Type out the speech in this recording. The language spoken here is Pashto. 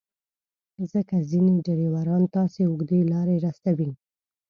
ځکه ځینې ډریوران تاسو اوږدې لارې رسوي.